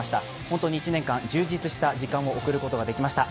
本当に１年間、充実した時間を送ることができました。